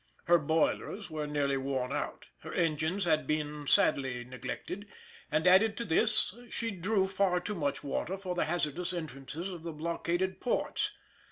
Her boilers were nearly worn out; her engines had been sadly neglected; and added to this, she drew far too much water for the hazardous entrances of the blockaded ports.